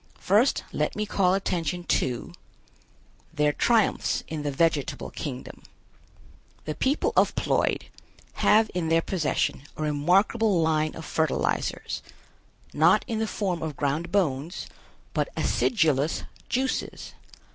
First, let me call attention to: THEIR TRIUMPHS IN THE VEGETABLE KINGDOM. The people of Ploid have in their possession a remarkable line of fertilizers, not in the form of ground bones, but acidulous juices.